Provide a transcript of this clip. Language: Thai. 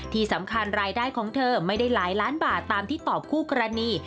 ที่สำคัญรายได้ของเธอไม่ได้หลายล้านบาทตามที่ตอบคู่กรณี